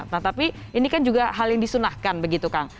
nah tapi ini kan juga hal yang disunahkan begitu kang